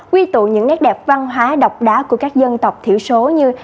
quy tụ những nét đẹp văn hóa độc đáo của các dân tộc thiểu số như